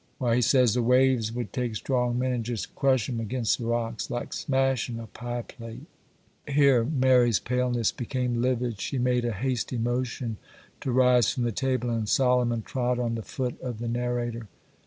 Why, he says the waves would take strong men and jest crush 'em against the rocks like smashin' a pie plate!' Here Mary's paleness became livid; she made a hasty motion to rise from the table, and Solomon trod on the foot of the narrator.